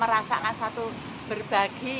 merasakan satu berbagi